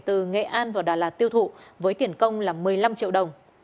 từ nghệ an vào đà lạt tiêu thụ với tiền công là một mươi năm triệu đồng